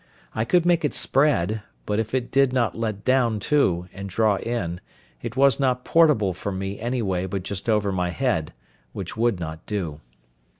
I could make it spread, but if it did not let down too, and draw in, it was not portable for me any way but just over my head, which would not do.